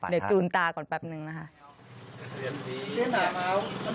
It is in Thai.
เดี๋ยวกลุ่นตาก่อนแป๊บหนึ่งนะครับ